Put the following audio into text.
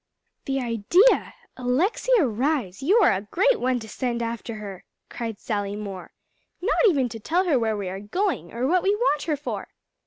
"The idea! Alexia Rhys, you are a great one to send after her," cried Sally Moore. "Not even to tell her where we are going, or what we want her for!"